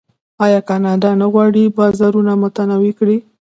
آیا کاناډا نه غواړي بازارونه متنوع کړي؟